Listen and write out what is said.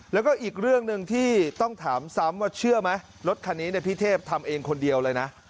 แล้วก็อีกเรื่องหนึ่งที่ต้องถามซ้ำว่าเชื่อไหมรถคันนี้พี่เทพทำเองคนเดียวเลยนะ